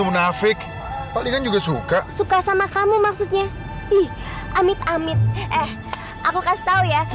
boleh boleh lihat saja